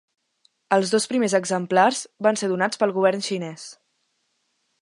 Els dos primers exemplars van ser donats pel govern xinès.